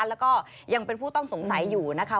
แล้วก็ยังเป็นผู้ต้องสงสัยอยู่นะคะ